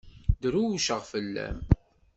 Drewceɣ fell-am.